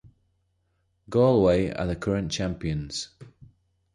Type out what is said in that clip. Galway are the current champions.